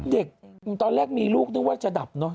เด็กตอนแรกมีลูกนึกว่าจะดับเนอะ